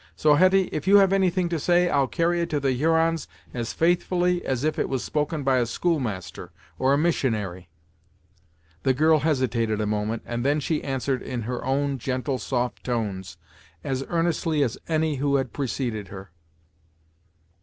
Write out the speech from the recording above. So, Hetty, if you have any thing to say, I'll carry it to the Hurons as faithfully as if it was spoken by a schoolmaster, or a missionary." The girl hesitated a moment, and then she answered in her own gentle, soft tones, as earnestly as any who had preceded her.